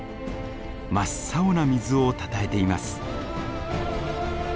真っ青な水をたたえています。